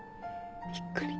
びっくり。